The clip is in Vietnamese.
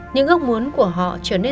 những ước muốn của họ trở nên xa vời